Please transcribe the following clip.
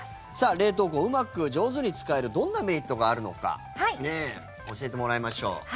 冷凍庫をうまく上手に使えるとどんなメリットがあるのか教えてもらいましょう。